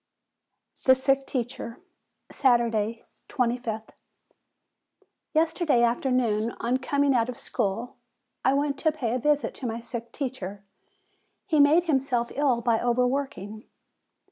THE SICK TEACHER Saturday, 25th. Yesterday afternoon, on coming out of school, I went to pay a visit to my sick teacher. He made him self ill by overworking.